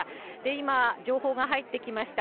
今、情報が入ってきました。